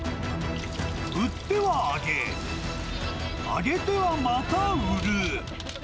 売っては揚げ、揚げては、また売る。